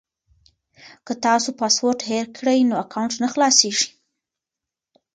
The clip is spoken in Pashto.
که تاسو پاسورډ هېر کړئ نو اکاونټ نه خلاصیږي.